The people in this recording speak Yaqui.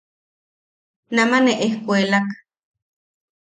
Nama ne ejkuelak.